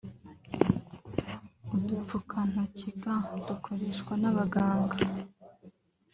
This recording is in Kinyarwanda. udupfukantoki (gants) dukoreshwa n’abaganga